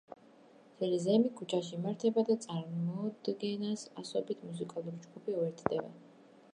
მთელი ზეიმი ქუჩაში იმართება და წარმოდგენას ასობით მუსიკალური ჯგუფი უერთდება.